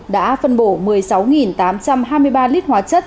đã phân bổ một mươi sáu tám trăm hai mươi ba lít hóa chất